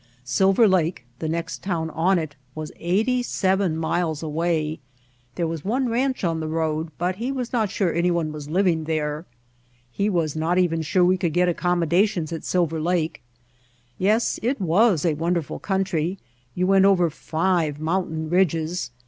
Silver Lake, the next town on it, was eighty seven miles away. There was one ranch on the road but he was not sure any one was living there. He was [311 White Heart of Mojave not even sure we could get accommodations at Silver Lake. Yes, it w^as a wonderful country; you went over five mountain ridges.